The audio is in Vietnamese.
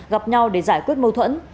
gặp nhau để giải quyết mâu thuẫn